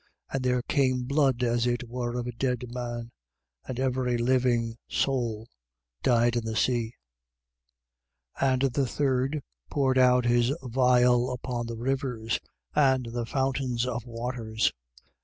And there came blood as it were of a dead man: and every living soul died in the sea. 16:4. And the third poured out his vial upon the rivers and the fountains of waters.